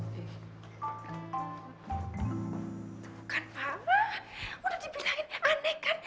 bukan parah udah dibilangin aneh kan